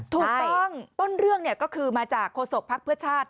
ถูกต้องต้นเรื่องก็คือมาจากโฆษกภักดิ์เพื่อชาติ